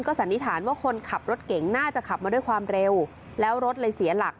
สันนิษฐานว่าคนขับรถเก่งน่าจะขับมาด้วยความเร็วแล้วรถเลยเสียหลัก